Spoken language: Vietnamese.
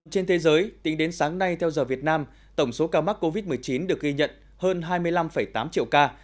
trên thế giới tính đến sáng nay theo giờ việt nam tổng số ca mắc covid một mươi chín được ghi nhận hơn hai mươi năm tám triệu ca